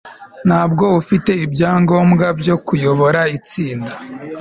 ntabwo ufite ibyangombwa byo kuyobora itsinda